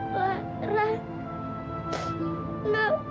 lara gak boleh